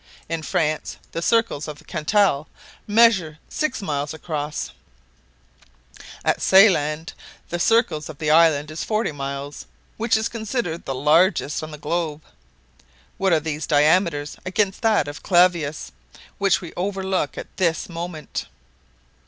In France the circle of Cantal measures six miles across; at Ceyland the circle of the island is forty miles, which is considered the largest on the globe. What are these diameters against that of Clavius, which we overlook at this moment?"